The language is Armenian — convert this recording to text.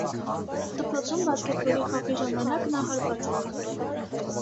Դպրոցում բասկետբոլի խաղի ժամանակ նա հարբած է եղել։